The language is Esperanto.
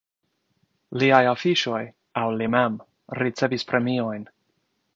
Liaj afiŝoj aŭ li mem ricevis premiojn.